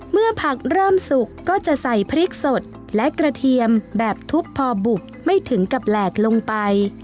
เมื่อผักเริ่มสุกก็จะใส่พริกสดและกระเทียมแบบทุบพอบุกไม่ถึงกับแหลกลงไป